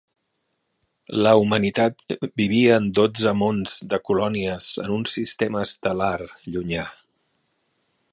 La humanitat vivia en dotze mons de colònies en un sistema estel·lar llunyà.